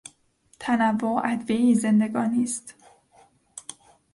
تنوع ادویهی زندگانی است.